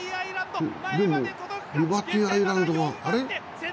でも、リバティアイランドが、あれ？